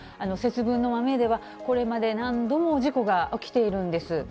節分の豆ではこれまで何度も事故が起きているんです。